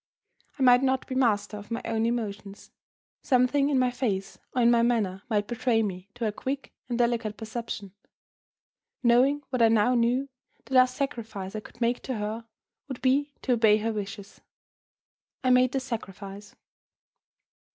I might not be master of my own emotions; something in my face or in my manner might betray me to her quick and delicate perception. Knowing what I now knew, the last sacrifice I could make to her would be to obey her wishes. I made the sacrifice.